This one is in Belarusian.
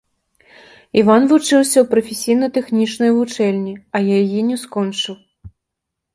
Іван вучыўся ў прафесійна-тэхнічнай вучэльні, але яе не скончыў.